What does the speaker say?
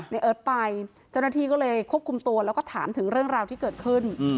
เอิร์ทไปเจ้าหน้าที่ก็เลยควบคุมตัวแล้วก็ถามถึงเรื่องราวที่เกิดขึ้น